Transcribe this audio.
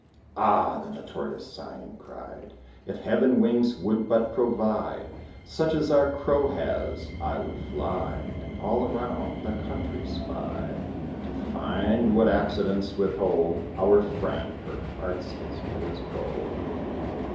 "Ah!" then the Tortoise, sighing, cried, "If Heaven wings would but provide, Such as our Crow has, I would fly, And all around the country spy, To find what accidents withhold Our friend. Her heart's as good as gold."